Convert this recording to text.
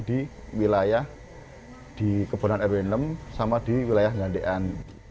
di wilayah di kebunan rw enam sama di wilayah ngan dek an